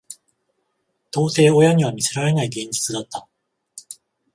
到底親には見せられない現実だった。